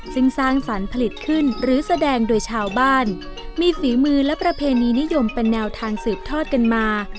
ซึ่งสร้างสรรค์ผลิตขึ้นหรือแสดงโดยชาวบ้านมีฝีมือและประเพณีนิยมเป็นแนวทางสืบทอดกันมา